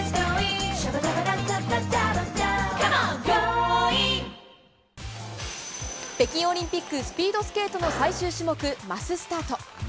この後北京オリンピックスピードスケートの最終種目マススタート。